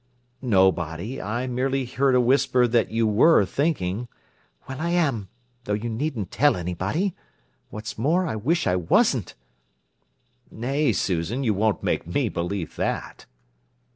"Nobody. I merely heard a whisper that you were thinking—" "Well, I am, though you needn't tell anybody. What's more, I wish I wasn't!" "Nay, Susan, you won't make me believe that."